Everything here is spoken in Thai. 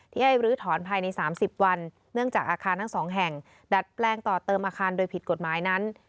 ให้ลื้อถอนภายใน๓๐วันเนื่องจากอาคารทั้งสองแห่งดัดแปลงต่อเติมอาคารโดยผิดกฎหมายนั้น